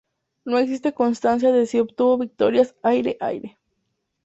No existe constancia de si obtuvo victorias aire-aire.